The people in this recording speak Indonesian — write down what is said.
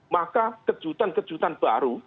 maka kejutan kejutan baru